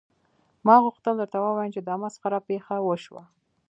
ما غوښتل درته ووایم چې دا مسخره پیښه وشوه